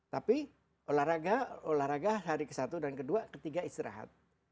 tapi olahraga olahraga hari ke satu dan ke dua ke tiga istirahat